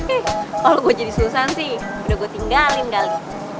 eh kalau gue jadi susah sih udah gue tinggalin kali